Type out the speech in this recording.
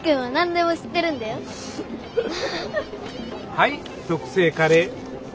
はい特製カレー。